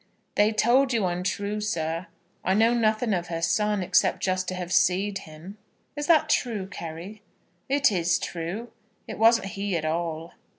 "They told you untrue, sir. I know nothing of her son, except just to have see'd him." "Is that true, Carry?" "It is true. It wasn't he at all."